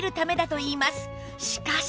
しかし